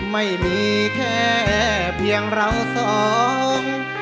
ไม่มีแค่เพียงเราสอง